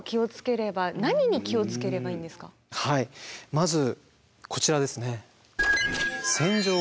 まずこちらですね。